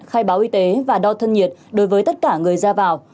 khai báo y tế và đo thân nhiệt đối với tất cả người ra vào